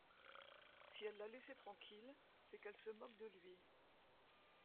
Si elle l’a laissé tranquille, c’est qu’elle se moque de lui.